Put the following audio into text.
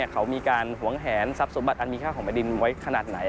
เขามีการหวงแหนทรัพย์สมบัติอันมีค่าของแผ่นดินไว้ขนาดไหน